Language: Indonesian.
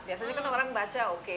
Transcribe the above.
biasanya kalau orang baca oke